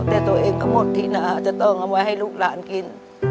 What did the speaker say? แต่ตัวเองก็หมดที่หนาจะต้องเอาไว้ให้ลูกหลานกิน